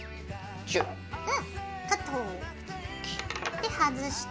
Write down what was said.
で外して。